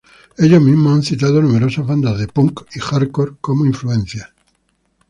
Ellos mismos han citado numerosas bandas de punk y hardcore como influencias.